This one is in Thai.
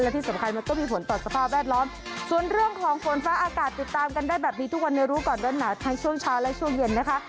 และที่สำคัญมันก็มีผลต่อสภาพแวดล้อมส่วนเรื่องของฝนฟ้าอากาศติดตามกันได้แบบนี้ทุกวันในรู้ก่อนร้อนหนาวทั้งช่วงเช้าและช่วงเย็นนะคะ